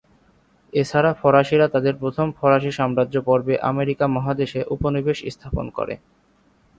এছাড়া ফরাসিরা তাদের প্রথম ফরাসি সাম্রাজ্য পর্বে আমেরিকা মহাদেশে উপনিবেশ স্থাপন করে।